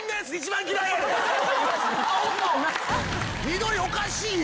緑おかしいやん！